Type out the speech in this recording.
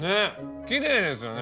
きれいですよね